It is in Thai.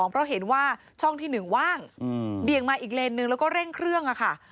เพราะเห็นว่าช่องที่๑ว่างเบี่ยงมาอีกเลนนึงแล้วก็เร่งเครื่องค่ะ